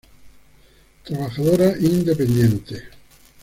Trabajadora independiente.